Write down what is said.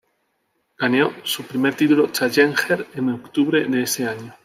Ganó su primer título challenger en octubre de ese año.